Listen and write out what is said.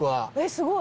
すごい。